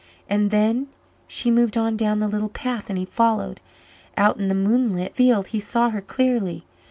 And then She moved on down the little path and he followed. Out in the moonlit field he saw her clearly.